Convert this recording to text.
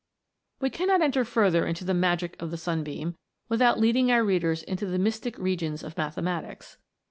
We cannot enter fui'ther into the Magic of the Sunbeam without leading our readers into the mystic regions of mathematics.